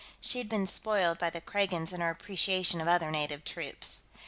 She'd been spoiled by the Kragans in her appreciation of other native troops.